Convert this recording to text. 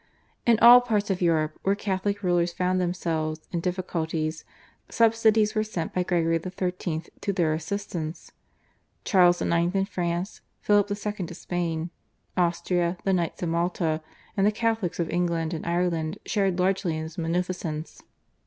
In all parts of Europe, where Catholic rulers found themselves in difficulties, subsidies were sent by Gregory XIII. to their assistance. Charles IX. in France, Philip II. of Spain, Austria, the Knights of Malta, and the Catholics of England and Ireland shared largely in his munificence.